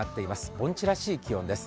盆地らしい気温です。